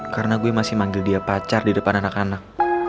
karena gue masih manggil dia pacar di depan anak anak